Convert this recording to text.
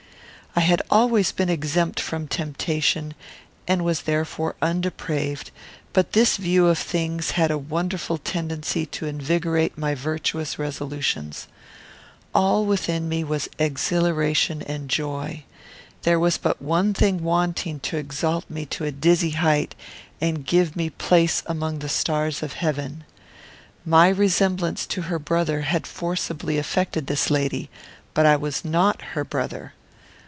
I had always been exempt from temptation, and was therefore undepraved; but this view of things had a wonderful tendency to invigorate my virtuous resolutions. All within me was exhilaration and joy. There was but one thing wanting to exalt me to a dizzy height and give me place among the stars of heaven. My resemblance to her brother had forcibly affected this lady; but I was not her brother.